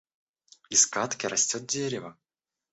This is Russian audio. Из кадки растёт дерево.